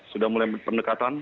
sudah mulai pendekatan